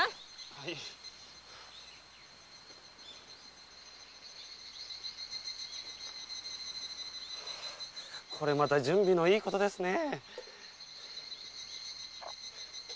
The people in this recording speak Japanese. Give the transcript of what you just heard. はぁこれまた準備のいいことですね。